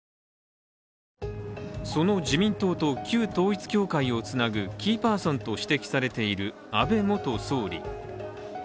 その自民党と旧統一教会をつなぐキーパーソンと指摘されている安倍元総理。